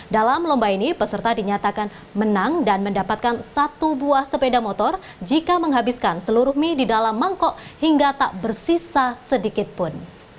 dalam lomba ini peserta dinyatakan menang dan mendapatkan satu buah sepeda motor jika menghabiskan seluruh mie di dalam mangkok hingga tak bersisa sedikitpun